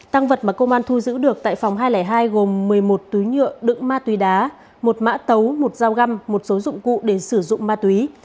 tăng vật mà công an thu giữ được tại phòng hai trăm linh hai gồm một mươi một túi nhựa đựng ma túy đá một mã tấu một dao găm một số dụng cụ để sử dụng ma túy